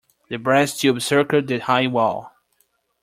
The brass tube circled the high wall.